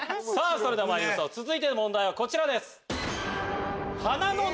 それではまいりましょう続いての問題はこちらです。